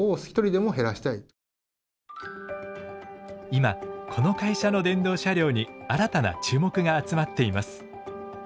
今この会社の電動車両に新たな注目が集まっています。